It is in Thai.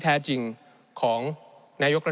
ในช่วงที่สุดในรอบ๑๖ปี